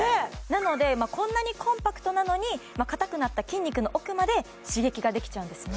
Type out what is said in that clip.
なのでまあこんなにコンパクトなのに硬くなった筋肉の奥まで刺激ができちゃうんですね